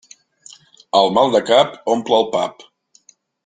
Al mal de cap, omple el pap.